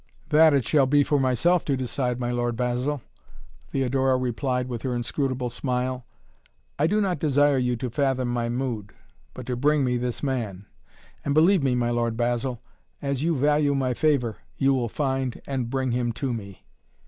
"That it shall be for myself to decide, my Lord Basil," Theodora replied with her inscrutable smile. "I do not desire you to fathom my mood, but to bring to me this man. And believe me, my Lord Basil as you value my favor you will find and bring him to me!"